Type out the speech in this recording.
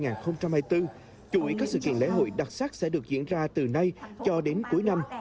chủ ý các sự kiện lễ hội đặc sắc sẽ được diễn ra từ nay cho đến cuối năm